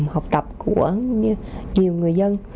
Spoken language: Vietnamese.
học tập của nhiều người dân